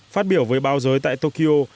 phát biểu với báo giới tại tokyo